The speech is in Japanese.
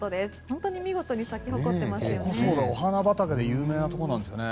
本当に見事に咲き誇っていますよね。